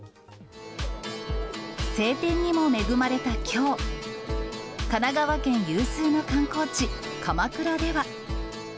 晴天にも恵まれたきょう、神奈川県有数の観光地、鎌倉では。